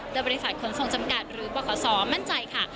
เดี๋ยวบริษัทคนทรงจำกัดหรือประขอสอบมั่นใจค่ะ